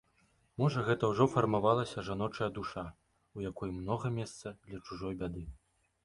Можа гэта ўжо фармавалася жаночая душа, у якой многа месца для чужой бяды.